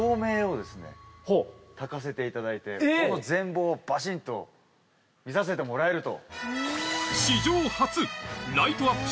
たかせていただいてこの全貌をバシンと見させてもらえると。